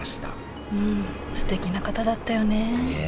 すてきな方だったよねねえ。